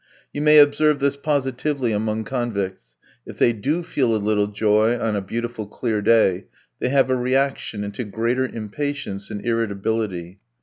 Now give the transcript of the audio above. You may observe this positively among convicts; if they do feel a little joy on a beautiful clear day, they have a reaction into greater impatience and irritability.